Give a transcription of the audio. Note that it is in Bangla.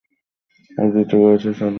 ও যেতে বলছে, চলো।